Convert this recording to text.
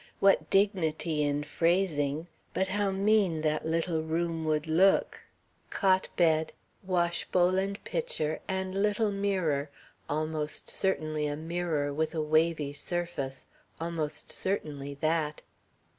What dignity in phrasing, but how mean that little room would look cot bed, washbowl and pitcher, and little mirror almost certainly a mirror with a wavy surface, almost certainly that.